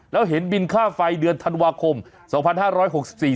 แล้วเห็นบินค่าไฟเดือนธันวาคมสองพันห้าร้อยหกสิบสี่